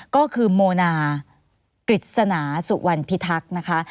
ก็คือโมนากฤษณาสุวรรณพิทักษ์นะคะ